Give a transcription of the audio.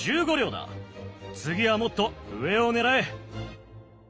次はもっと上を狙え！